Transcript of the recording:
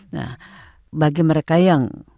nah bagi mereka yang